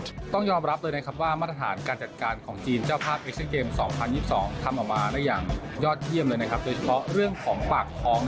ทำออกมาได้อย่างยอดเยี่ยมเลยโดยเฉพาะเรื่องของปากคล้อง